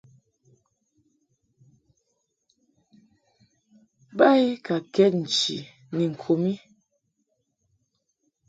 Ba I ka kɛd nchi ni ŋku mi.